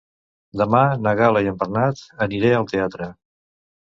Demà na Gal·la i en Bernat aniré al teatre.